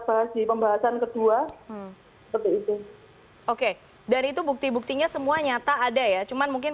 masih pembahasan kedua begitu oke dari itu bukti buktinya semua nyata ada ya cuman mungkin